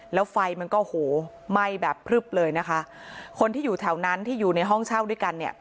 แล้วไฟมันก็โหไหม้แบบพลึบเลยนะคะคนที่อยู่แถวนั้นที่อยู่ในห้องเช่าด้วยกันเนี่ย